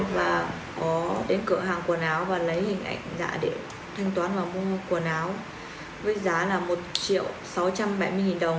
và có đến cửa hàng quần áo và lấy hình ảnh giả để thanh toán và mua quần áo với giá là một triệu sáu trăm bảy mươi đồng